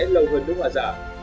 lâu hơn nước hoa giả